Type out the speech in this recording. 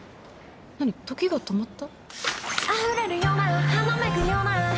時が止まった？